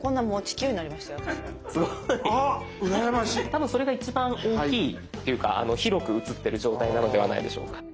多分それが一番大きいというか広く映ってる状態なのではないでしょうか。